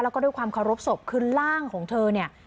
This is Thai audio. แล้วก็ด้วยความเคารพศพคือร่างของเธอเนี่ย